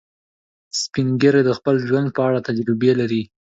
سپین ږیری د خپل ژوند په اړه تجربې لري